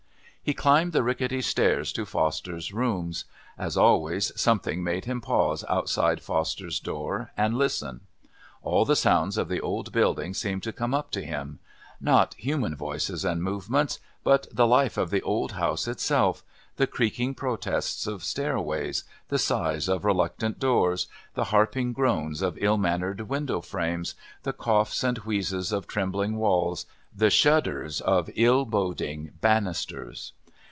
He climbed the rickety stairs to Foster's rooms. As always, something made him pause outside Foster's door and listen. All the sounds of the old building seemed to come up to him; not human voices and movements, but the life of the old house itself, the creaking protests of stairways, the sighs of reluctant doors, the harping groans of ill mannered window frames, the coughs and wheezes of trembling walls, the shudders of ill boding banisters.